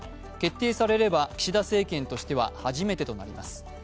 決定されれば岸田政権としては初めてとなります。